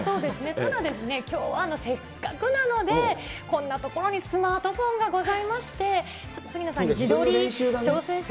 ただですね、きょうはせっかくなので、こんなところにスマートフォンがございまして、杉野さん、自撮り挑戦して。